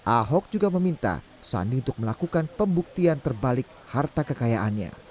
ahok juga meminta sandi untuk melakukan pembuktian terbalik harta kekayaannya